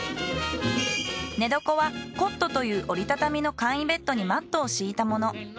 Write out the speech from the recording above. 寝床はコットという折り畳みの簡易ベッドにマットを敷いたもの。